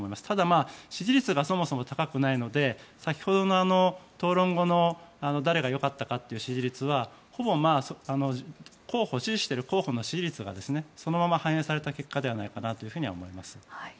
ただ、支持率がそもそも高くないので先ほどの討論後の誰がよかったかっていう支持率はほぼ支持している候補の支持率がそのまま反映された結果ではないかなと思います。